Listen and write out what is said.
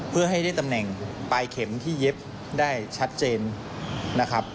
เพื่อให้ได้ตำแหน่งปลายเข็มที่เย็บได้ชัดเจนนะครับ